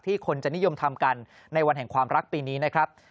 คนจะนิยมทำกันในวันแห่งความรักปีนี้นะครับ